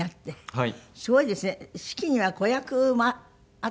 はい。